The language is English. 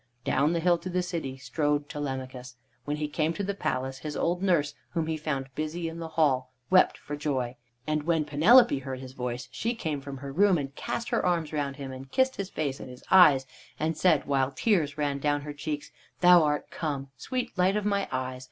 Down the hill to the city strode Telemachus. When he came to the palace, his old nurse, whom he found busy in the hall, wept for joy. And when Penelope heard his voice, she came from her room and cast her arms round him and kissed his face and his eyes, and said, while tears ran down her cheeks: "Thou art come, sweet light of my eyes.